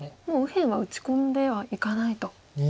もう右辺は打ち込んではいかないと。